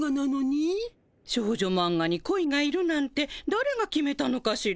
少女マンガに恋がいるなんてだれが決めたのかしら？